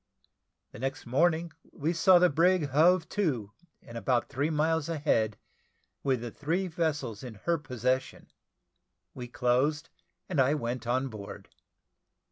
The next morning we saw the brig hove to and about three miles a head, with the three vessels in her possession. We closed, and I went on board.